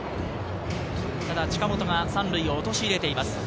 ただ近本が３塁を陥れています。